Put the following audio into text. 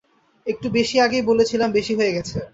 একটু বেশিই আগেই বলেছিলাম বেশি হয়ে গেছে।